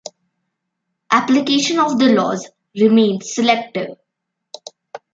Application of the laws remains selective.